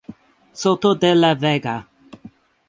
Soto de la Vega.